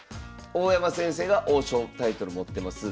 大山先生が王将タイトル持ってます。